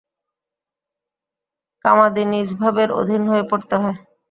কামাদি নীচভাবের অধীন হয়ে পড়তে হয়।